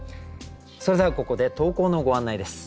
それではここで投稿のご案内です。